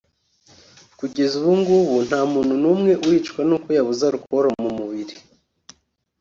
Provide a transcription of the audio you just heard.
Kugeza ubu ngubu nta muntu numwe uricwa nuko yabuze arukoro mu mubiri